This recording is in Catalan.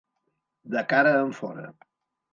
De cara enfora.